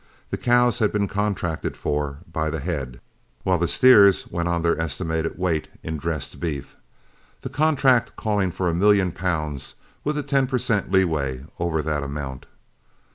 The cows had been contracted for by the head, while the steers went on their estimated weight in dressed beef, the contract calling for a million pounds with a ten per cent leeway over that amount.